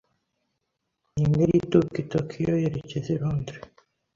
Ni indege ituruka i Tokiyo yerekeza i Londres.